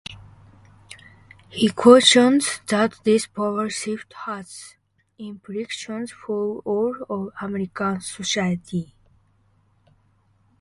He cautions that this "power shift" has implications for all of American society.